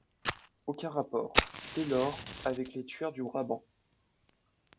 Aucun rapport, dès lors, avec les tueurs du Brabant.